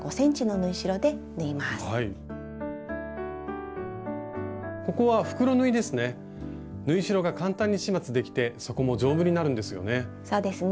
縫い代が簡単に始末できて底も丈夫になるんですよね。